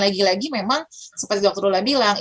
lagi lagi memang seperti dokter lula bilang